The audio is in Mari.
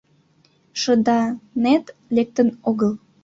Шыданет лектын огыл.